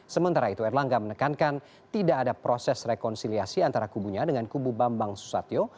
sementara itu erlangga menekankan tidak ada proses rekonsiliasi antara kubunya dengan kubu bambang susatyo